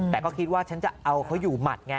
แต่ก็คิดว่าฉันจะเอาเขาอยู่หมัดไง